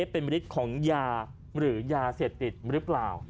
เป็นมฤทธิ์ของยาหรือยาเสพติดหรือเปล่า